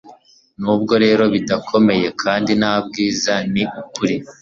nubwo rero bidakomeye kandi nta bwiza, ni ukuri